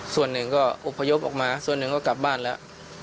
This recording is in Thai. ส่วนหนึ่งก็อบพยพออกมาส่วนหนึ่งก็กลับบ้านแล้ว